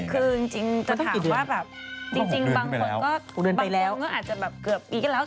คือจริงแต่ถามว่าบางคนก็อาจจะแบบเกือบอีก